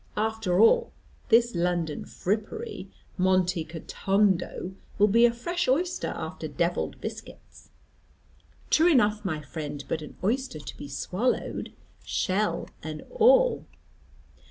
after all this London frippery, Monte Kotondo will be a fresh oyster after devil'd biscuits." "True enough, my friend: but an oyster to be swallowed shell and all."